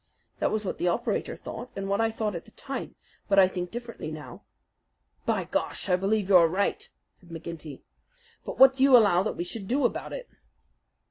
That was what the operator thought and what I thought at the time; but I think differently now." "By Gar! I believe you are right," said McGinty. "But what do you allow that we should do about it?"